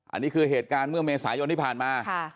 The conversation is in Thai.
อันนี้คือเหตุการณ์เมื่อเมษายนที่ผ่านมา